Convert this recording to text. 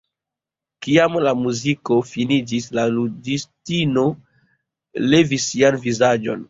Kiam la muziko finiĝis, la ludistino levis sian vizaĝon.